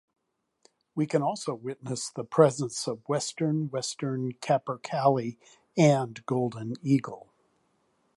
We can also witness the presence of western western capercaillie and golden eagle.